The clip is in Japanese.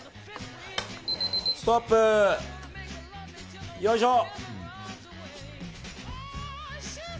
ストップ！よいしょ。